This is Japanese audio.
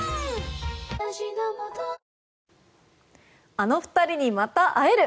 あの２人にまた会える。